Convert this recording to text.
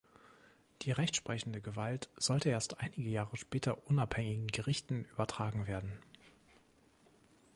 Die rechtsprechende Gewalt sollte erst einige Jahre später unabhängigen Gerichten übertragen werden.